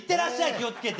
気を付けて！